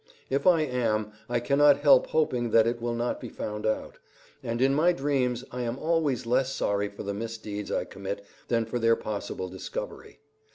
If I am, I cannot help hoping that it will not be found out; and in my dreams I am always less sorry for the misdeeds I commit than for their possible discovery.